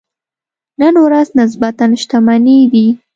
نن ورځ نسبتاً شتمنې دي.